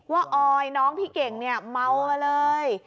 ออยน้องพี่เก่งเนี่ยเมามาเลย